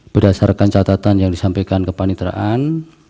berdasarkan catatan yang disampaikan ke panitraan